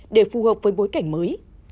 để phù hợp với bối cảnh mới